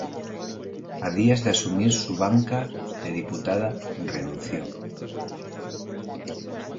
A días de asumir su banca de diputada renunció.